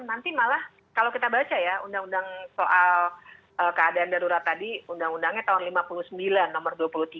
nanti malah kalau kita baca ya undang undang soal keadaan darurat tadi undang undangnya tahun seribu sembilan ratus lima puluh sembilan nomor dua puluh tiga